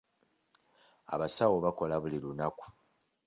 Abasawo bakola buli lunaku.